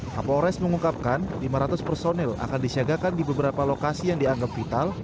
kapolres mengungkapkan lima ratus personil akan disiagakan di beberapa lokasi yang dianggap vital